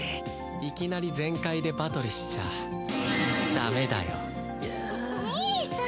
いきなり全開でバトルしちゃダメだよ。に兄さん！